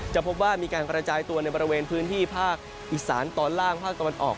พบว่ามีการกระจายตัวในบริเวณพื้นที่ภาคอีสานตอนล่างภาคตะวันออก